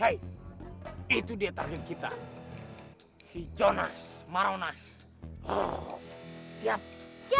hei itu dia target kita si jonas maronas siap